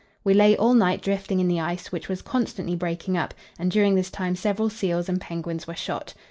We lay all night drifting in the ice, which was constantly breaking up, and during this time several seals and penguins were shot.